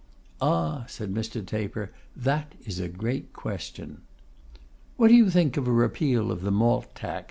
'Ah!' said Mr. Taper, 'that is a great question.' 'What do you think of a repeal of the Malt Tax?